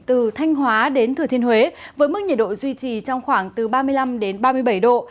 từ thanh hóa đến thừa thiên huế với mức nhiệt độ duy trì trong khoảng từ ba mươi năm ba mươi bảy độ